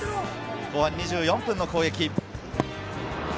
後半２４分の攻撃。